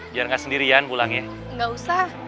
biar gak sendirian pulang ya